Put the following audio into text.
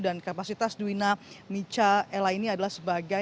dan kapasitas dwi na mica lea ini adalah sebagai